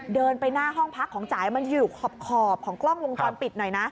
เดินไปหน้าห้องพักของจ่ายมันอยู่ขอบของกล้องวงจรปิดหน่อยนะ